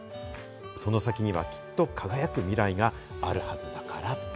その先にはきっと輝く未来があるはずだから。